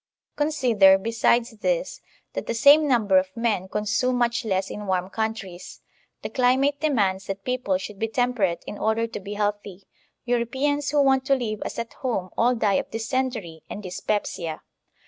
Consider, besides this, that the same number of men consume much less in warm countries. The climate demands that people should be temperate in order to be healthy; Europeans who want to live as at home all die of dysentery and dyspepsia.